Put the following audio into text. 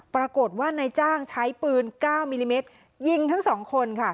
ปรากฏว่านายจ้างใช้ปืน๙มิลลิเมตรยิงทั้ง๒คนค่ะ